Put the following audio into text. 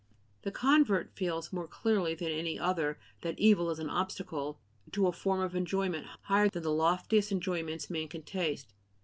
The convert feels more clearly than any other that evil is an "obstacle" to a form of enjoyment higher than the loftiest enjoyments man can taste.